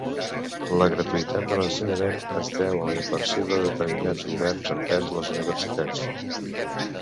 La gratuïtat de l'ensenyament es deu a la inversió de determinats governs envers les universitats.